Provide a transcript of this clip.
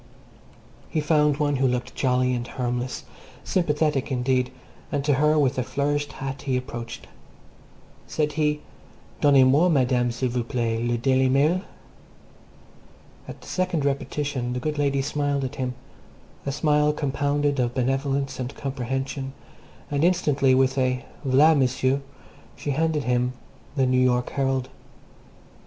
He found one who looked jolly and harmless, sympathetic indeed, and to her, with a flourished hat, he approached. Said he, "Donnez moi, Madame, s'il vous plaît, le Daily Mail." At the second repetition the good lady smiled at him, a smile compounded of benevolence and comprehension, and instantly, with a "V'la M'sieu," she handed him The New York Herald.